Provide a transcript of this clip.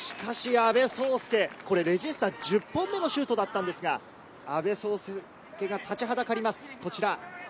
阿部創介、レジスタ１０本目のシュートだったんですが、阿部創介が立ちはだかります。